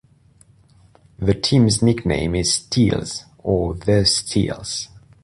The team's nickname is "Steels" or "The Steels".